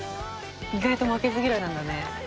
「意外と負けず嫌いなんだね」